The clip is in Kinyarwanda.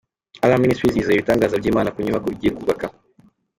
Alarm Ministries yizeye ibitangaza by'Imana ku nyubako igiye kubaka.